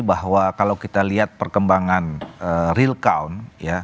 bahwa kalau kita lihat perkembangan real count